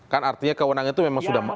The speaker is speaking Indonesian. kan artinya keundang itu memang sudah ada